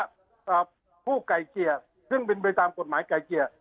อ่าผู้ไก่เกลี่ยซึ่งเป็นไปตามกฎหมายไก่เกลี่ย